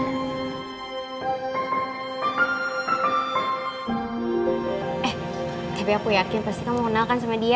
eh tapi aku yakin pasti kamu kenalkan sama dia